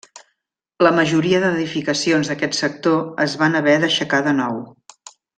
La majoria d'edificacions d'aquest sector es van haver d'aixecar de nou.